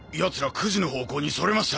９時の方向に逸れました。